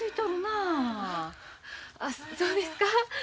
あそうですか？